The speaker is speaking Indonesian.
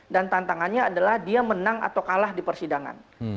dan tantangannya adalah dia menang atau kalah di persidangan